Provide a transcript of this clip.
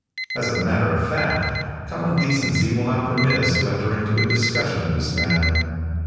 As a matter of fact, common decency will not permit us to enter into a discussion of this matter.